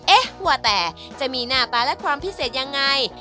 เอ๊ะว่าแต่จะมีหน้าตาและความพิเศษยังไง